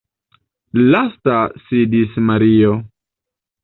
Lasta sidis Mario.